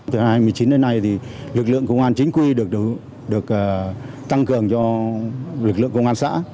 từ hai nghìn một mươi chín đến nay lực lượng công an chính quy được tăng cường cho lực lượng công an xã